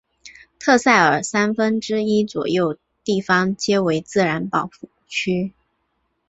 特塞尔三分之一左右地方皆为自然保护区。